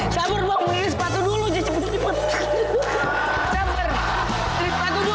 sabar wim sepatu dulu